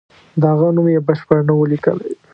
د هغه نوم یې بشپړ نه وو لیکلی.